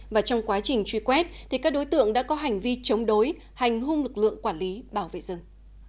và trong quá trình truy quét thì các đối tượng đã có hành vi chống đối hành hung lực lượng quản lý bảo vệ rừng